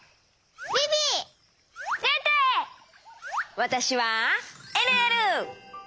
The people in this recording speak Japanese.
わたしはえるえる！